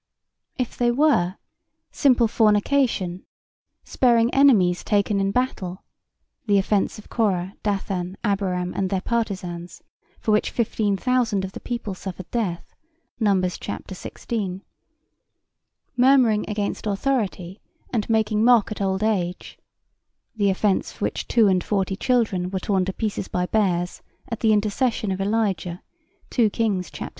If they were, simple fornication, sparing enemies taken in battle (the offence of Korah, Dathan and Abiram and their partizans, for which 15,000 of the people suffered death. Numbers ch. 16. J.B.), murmuring against authority, and making mock at old age (the offence for which two and forty children were torn to pieces by bears, at the intercession of Elijah. 2 Kings ch. 2.